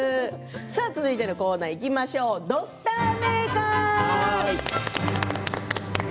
続いてのコーナーにいきましょう「土スター名鑑」。